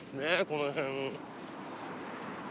この辺。